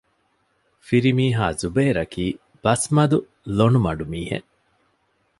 ފިރިމީހާ ޒުބައިރަކީ ބަސްމަދު ލޮނުމަޑު މީހެއް